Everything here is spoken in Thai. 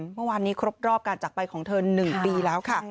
เมื่อวานนี้ครบรอบการจักรไปของเธอ๑ปีแล้วค่ะ